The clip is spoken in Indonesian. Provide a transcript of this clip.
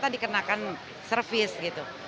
dikenakan service gitu